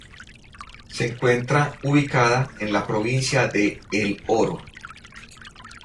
Se encuentra ubicada en la provincia de El Oro.